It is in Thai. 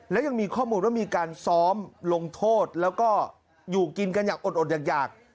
และยังมีข้อมูลว่ามีการซ้อมลงโทษแล้วก็อยู่กินกันอย่างอดอยาก